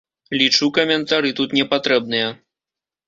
Лічу, каментары тут не патрэбныя.